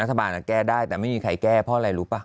แก้ได้แต่ไม่มีใครแก้เพราะอะไรรู้ป่ะ